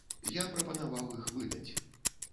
Я прапанаваў іх выдаць.